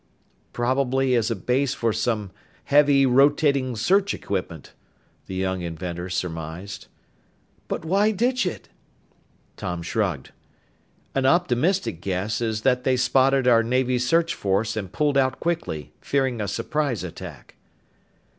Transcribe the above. "Probably as a base for some heavy, rotating search equipment," the young inventor surmised. "But why ditch it?" Tom shrugged. "An optimistic guess is that they spotted our Navy search force and pulled out quickly, fearing a surprise attack."